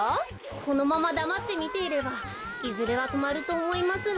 このままだまってみていればいずれはとまるとおもいますが。